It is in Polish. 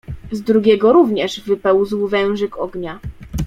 "Z drugiego również wypełzł wężyk ognia."